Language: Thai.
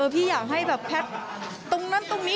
พี่อยากให้แบบแพทย์ตรงนั้นตรงนี้